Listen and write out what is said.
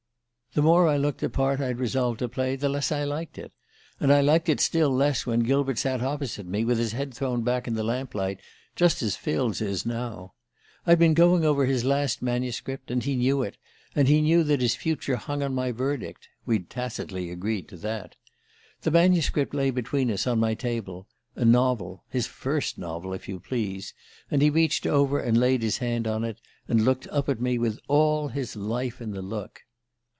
"The more I looked at the part I'd resolved to play, the less I liked it; and I liked it still less when Gilbert sat opposite me, with his head thrown back in the lamplight, just as Phil's is now ... I'd been going over his last manuscript, and he knew it, and he knew that his future hung on my verdict we'd tacitly agreed to that. The manuscript lay between us, on my table a novel, his first novel, if you please! and he reached over and laid his hand on it, and looked up at me with all his life in the look.